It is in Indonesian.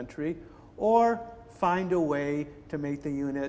atau cari cara untuk membuat unit itu